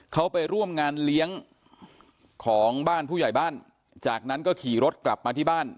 เขาไปร่วมงานเลี้ยงของบ้านผู้ใหญ่บ้านจากนั้นก็ขี่รถกลับมาที่บ้าน